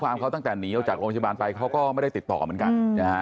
ความเขาตั้งแต่หนีออกจากโรงพยาบาลไปเขาก็ไม่ได้ติดต่อเหมือนกันนะฮะ